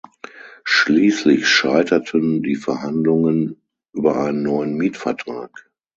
Schließlich scheiterten die Verhandlungen über einen neuen Mietvertrag.